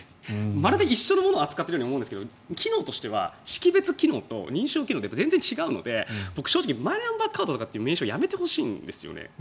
まるで一緒のものを扱ってるように見えるんですが機能としては識別機能と認証機能で全然違うので僕、正直マイナンバーカードっていう名称をやめてほしいんですね。